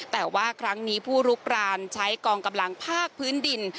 แต่ว่าครั้งนี้ผู้ลุกรานใช้กองกำลังภาคพื้นดิน